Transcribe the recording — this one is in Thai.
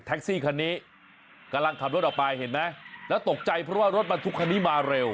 ซี่คันนี้กำลังขับรถออกไปเห็นไหมแล้วตกใจเพราะว่ารถบรรทุกคันนี้มาเร็ว